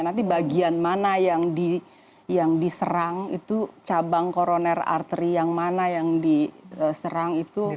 nanti bagian mana yang diserang itu cabang koroner arteri yang mana yang diserang itu